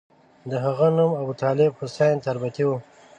د هغه نوم ابوطالب حسین تربتي وو.